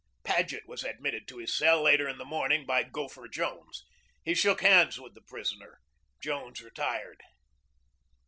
Paget was admitted to his cell later in the morning by Gopher Jones. He shook hands with the prisoner. Jones retired.